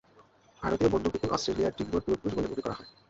ভারতীয় বন্য কুকুর অস্ট্রেলিয়ার ডিঙ্গোর পূর্বপুরুষ বলে মনে করা হয়।